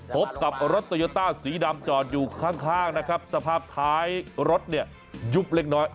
พบกับรถโตโยต้าสีดำจอดอยู่ข้างนะครับสภาพท้ายรถเนี่ยยุบเล็กน้อย